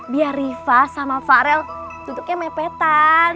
biar riva sama farel tutupnya mepetan